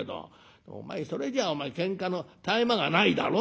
お前それじゃお前けんかの絶え間がないだろ」。